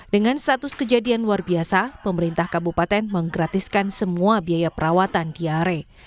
dengan status kejadian luar biasa pemerintah kabupaten menggratiskan semua biaya perawatan diare